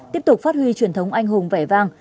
tiếp tục phát huy truyền thống anh hùng vẻ vang